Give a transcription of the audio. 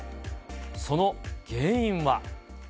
その原因は。